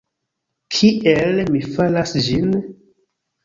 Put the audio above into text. Kiel mi faras ĝin?